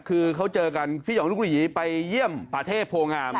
คือเขาเจอกันพี่หย่องลูกหลีไปเยี่ยมประเทศโพงาม